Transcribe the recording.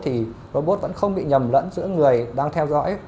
thì robot vẫn không bị nhầm lẫn giữa người đang theo dõi